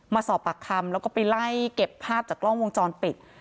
มาสอบปากคำแล้วก็ไปไล่เก็บภาพจากกล้องวงจรปิด